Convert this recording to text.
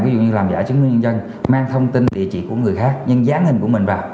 ví dụ như làm giả chứng minh nhân dân mang thông tin địa chỉ của người khác nhưng dán hình của mình vào